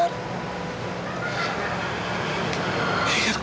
ya gitu tidak ada yang bisa menentangku